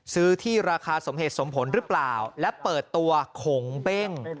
ซื้อที่ราคาสมเหตุสมผลหรือเปล่าและเปิดตัวขงเบ้ง